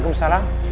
kok di tim